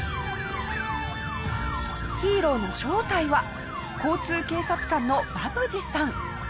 ヒーローの正体は交通警察官のバブジさん。